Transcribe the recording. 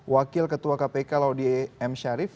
wakil ketua kpk laudie m sharif